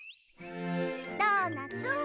ドーナツ